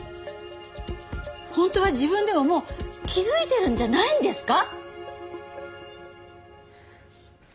本当は自分でももう気づいてるんじゃないんですか？